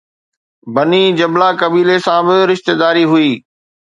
بني جبله قبيلي سان به رشتيداري هئي